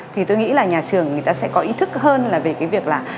thì tôi nghĩ là nhà trường người ta sẽ có ý thức hơn là về cái việc là